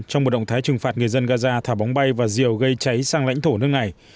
trong một động thái trừng phạt người dân gaza thả bóng bay và rìều gây cháy sang lãnh thổ nước này